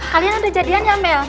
kalian udah jadian ya mel